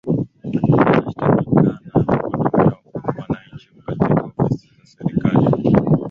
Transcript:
wanashtakikana kuhudumia wananchi katika ofisi za serikali